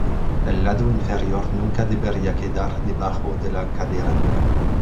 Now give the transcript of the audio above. El lado inferior nunca debería quedar debajo de la cadera.